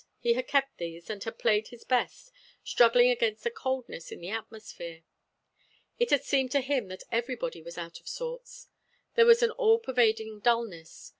He had kept these, and had played his best, struggling against a coldness in the atmosphere. It had seemed to him that everybody was out of sorts. There was an all pervading dulness.